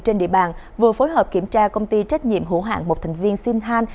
trên địa bàn vừa phối hợp kiểm tra công ty trách nhiệm hữu hạng một thành viên sinhan